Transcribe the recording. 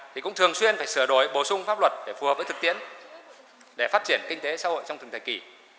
thì cũng thường xuyên phải sửa đổi bổ sung pháp luật để phù hợp với thực tiễn để phát triển kinh tế xã hội trong từng thời kỳ